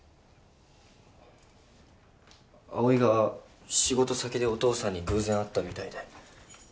葵が仕事先でお父さんに偶然会ったみたいで。